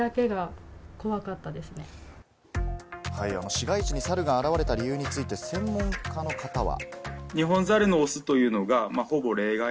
市街地にサルが現れた理由について、専門家の方は。